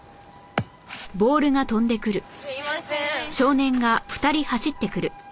すいません。